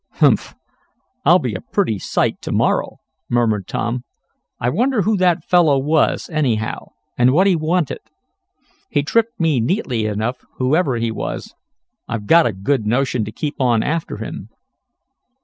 "Humph! I'll be a pretty sight to morrow," murmured Tom. "I wonder who that fellow was, anyhow, and what he wanted? He tripped me neatly enough, whoever he was. I've a good notion to keep on after him."